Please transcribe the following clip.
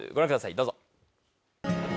どうぞ。